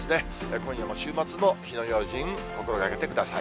今夜も週末も火の用心、心がけてください。